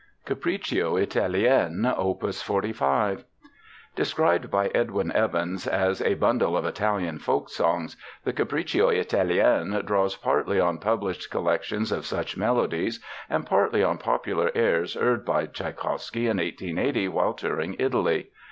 Capriccio Italien, OPUS 45 Described by Edwin Evans as a "bundle of Italian folk tunes," the Capriccio Italien draws partly on published collections of such melodies and partly on popular airs heard by Tschaikowsky in 1880 while touring Italy.